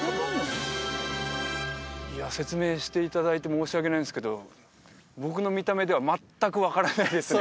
いや説明していただいて申し訳ないんですけど僕の見た目では全く分からないですね